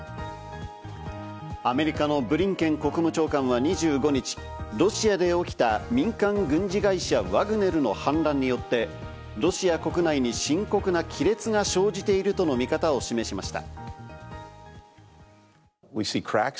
アメリカのブリンケン国務長官は２５日、ロシアで起きた民間軍事会社ワグネルの反乱によって、ロシア国内に深刻な亀裂が生じているとの見方を示しました。